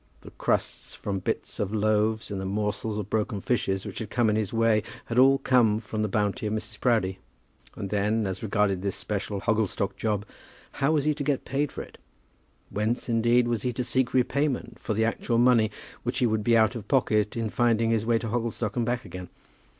The crusts from bits of loaves and the morsels of broken fishes which had come in his way had all come from the bounty of Mrs. Proudie. And then, as regarded this special Hogglestock job, how was he to get paid for it? Whence, indeed, was he to seek repayment for the actual money which he would be out of pocket in finding his way to Hogglestock and back again?